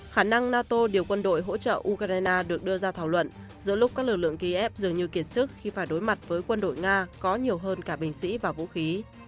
khả năng nato điều quân đội hỗ trợ ukraine được đưa ra thảo luận giữa lúc các lực lượng kiev dường như kiệt sức khi phải đối mặt với quân đội nga có nhiều hơn cả binh sĩ và vũ khí